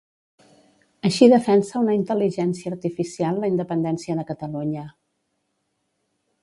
Així defensa una intel·ligència artificial la independència de Catalunya.